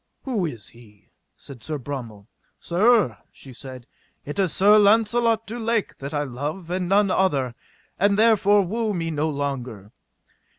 Who is he? said Sir Bromel. Sir, she said, it is Sir Launcelot du Lake that I love and none other, and therefore woo me no longer.